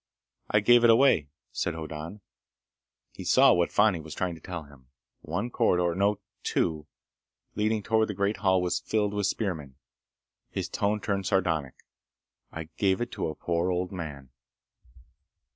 "I gave it away," said Hoddan. He saw what Fani was trying to tell him. One corridor ... no, two ... leading toward the great hall was filled with spearmen. His tone turned sardonic. "I gave it to a poor old man."